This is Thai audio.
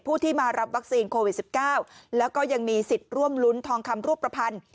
ผู้ที่มารับวัคซีนโควิด๑๙แล้วก็ยังมีสิทธิ์ร่วมลุ้นทองคำรูปประพันธ์